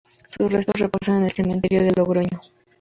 Sus restos reposan en el cementerio de Logroño.